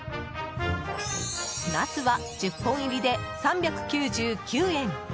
ナスは１０本入りで３９９円。